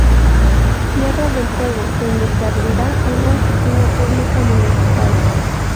Tierra del Fuego donde se abrirá una oficina pública municipal.